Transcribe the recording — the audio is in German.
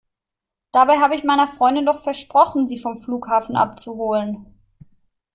Dabei habe ich meiner Freundin doch versprochen, sie vom Flughafen abzuholen.